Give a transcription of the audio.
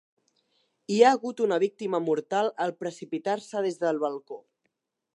Hi ha hagut una víctima mortal al precipitar-se des del balcó.